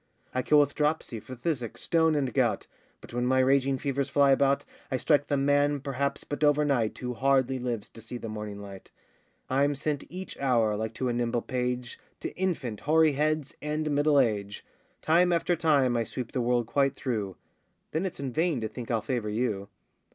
I kill with dropsy, phthisic, stone, and gout; But when my raging fevers fly about, I strike the man, perhaps, but over night, Who hardly lives to see the morning light; I'm sent each hour, like to a nimble page, To infant, hoary heads, and middle age; Time after time I sweep the world quite through; Then it's in vain to think I'll favour you.